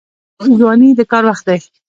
ځواني د کار وخت دی